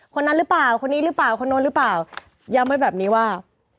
คนนั้นหรือเปล่าคนนี้หรือเปล่าคนนู้นหรือเปล่าย้ำไว้แบบนี้ว่า